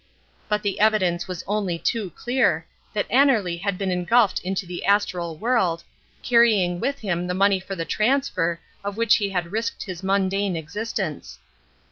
But the evidence was only too clear, that Annerly had been engulfed into the astral world, carrying with him the money for the transfer of which he had risked his mundane existence.